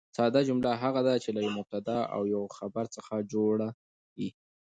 ساده جمله هغه ده، چي له یوه مبتداء او یوه خبر څخه جوړه يي.